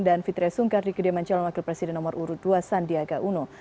dan fitriya sungkar di kediaman calon wakil presiden nomor dua sandiaga uno